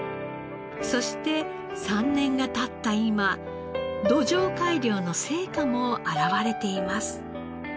そして３年が経った今土壌改良の成果も表れています。